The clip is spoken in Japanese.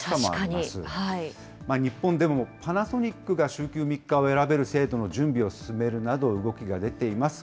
日本でもパナソニックが週休３日を選べる制度の準備を進めるなど、動きが出ています。